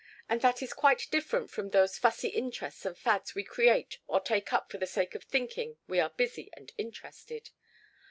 And that is quite different from those fussy interests and fads we create or take up for the sake of thinking we are busy and interested.